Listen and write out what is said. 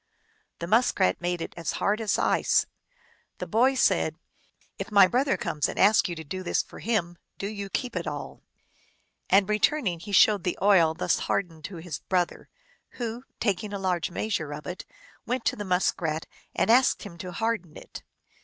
The Muskrat made it as hard as ice. The boy said, " If my brother comes and asks you to do this for him, do you keep it all." And, returning, he showed the oil thus har dened to his brother, who, taking a large measure of it, went to the Muskrat and asked him to harden it.